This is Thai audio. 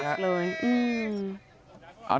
หนักเลยอืม